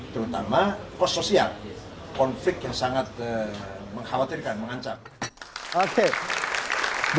terutama cost sosial konflik yang sangat mengkhawatirkan untuk ketua umum pbnu